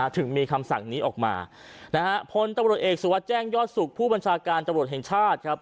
ถึงมีคำสั่งนี้ออกมานะฮะพลตำรวจเอกสุวัสดิแจ้งยอดสุขผู้บัญชาการตำรวจแห่งชาติครับ